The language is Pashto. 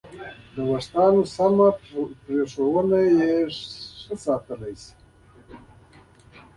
د وېښتیانو سمه پرېښودنه یې ښه ساتي.